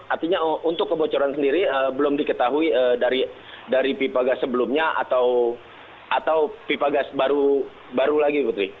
artinya untuk kebocoran sendiri belum diketahui dari pipa gas sebelumnya atau pipa gas baru lagi putri